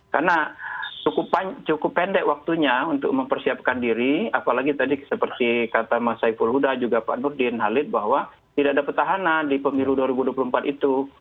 karena cukup pendek waktunya untuk mempersiapkan diri apalagi tadi seperti kata mas saiful huda juga pak nurdin halid bahwa tidak ada petahanan di pemilu dua ribu dua puluh empat itu